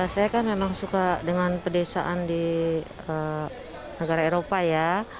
saya kan memang suka dengan pedesaan di negara eropa ya